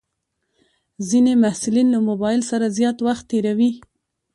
ځینې محصلین له موبایل سره زیات وخت تېروي.